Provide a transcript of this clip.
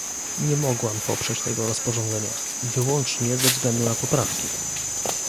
Nie mogłam poprzeć tego rozporządzenia, wyłącznie ze względu na poprawki